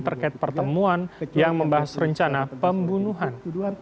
terkait pertemuan yang membahas rencana pembunuhan